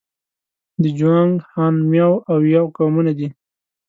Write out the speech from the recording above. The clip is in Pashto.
د جوانګ، هان، میاو او یاو قومونه دي.